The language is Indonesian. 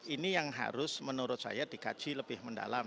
ini yang harus menurut saya dikaji lebih mendalam